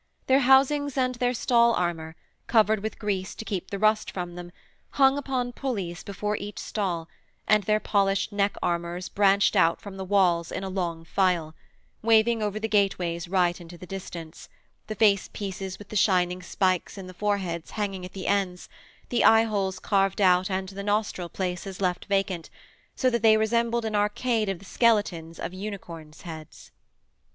Their housings and their stall armour, covered with grease to keep the rust from them, hung upon pulleys before each stall, and their polished neck armours branched out from the walls in a long file, waving over the gateways right into the distance, the face pieces with the shining spikes in the foreheads hanging at the ends, the eyeholes carved out and the nostril places left vacant, so that they resembled an arcade of the skeletons of unicorns' heads.